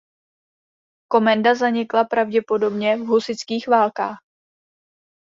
Komenda zanikla pravděpodobně v husitských válkách.